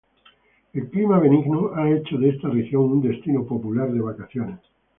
El clima benigno ha hecho de esta región un destino popular de vacaciones.